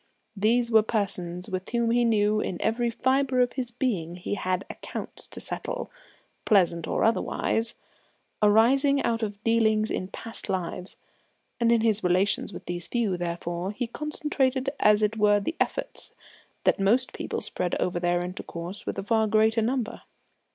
These were persons with whom he knew in every fibre of his being he had accounts to settle, pleasant or otherwise, arising out of dealings in past lives; and into his relations with these few, therefore, he concentrated as it were the efforts that most people spread over their intercourse with a far greater number.